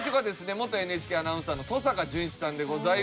元ＮＨＫアナウンサーの登坂淳一さんでございます。